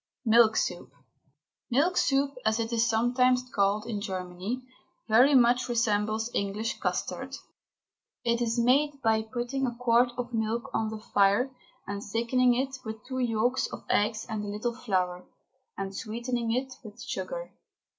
MILK SOUP. Milk soup, as it is sometimes called in Germany, very much resembles English custard. It is made by putting a quart of milk on the fire and thickening it with two yolks of eggs and a little flour, and sweetening it with sugar.